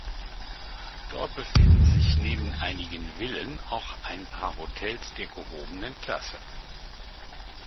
Dort befinden sich neben einigen Villen auch ein paar Hotels der gehobenen Klasse.